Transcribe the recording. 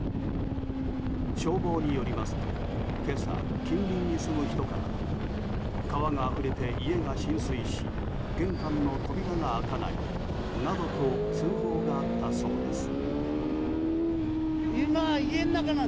消防によりますと今朝、近隣に住む人から川があふれて家が浸水し玄関の扉が開かないなどと通報があったそうです。